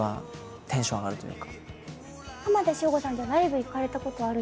浜田省吾さんじゃあライブ行かれたことあるんですか？